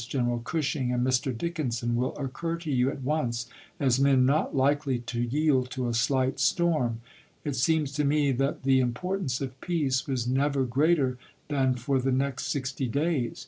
General Pierce, General Gushing, and Mr. Dickinson will occur to you at once as men not likely to yield to a slight storm. .. It seems to me that the im portance of peace was never greater than for the next sixty days.